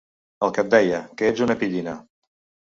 El que et deia, que ets una pillina.